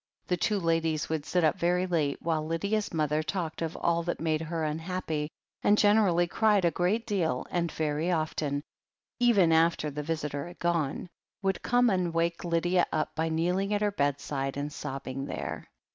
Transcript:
The two ladies would sit up very late, while Lydia's mother talked of all that made her unhappy, and gen erally cried a great deal, and very often, even after the visitor had gone, would come and wake Lydia up by kneeling at her bedside and sobbing there.